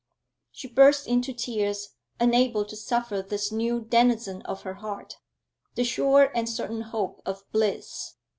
She burst into tears, unable to suffer this new denizen of her heart, the sure and certain hope of bliss.